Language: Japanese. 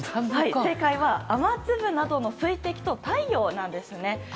正解は雨粒などの水滴と太陽なんですね。